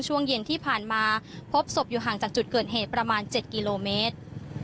ช่วงเย็นที่ผ่านมาพบศพอยู่ห่างจากจุดเกิดเหตุประมาณ๗กิโลเมตร